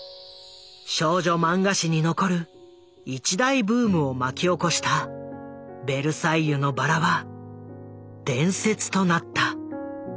少女マンガ史に残る一大ブームを巻き起こした「ベルサイユのばら」は伝説となった。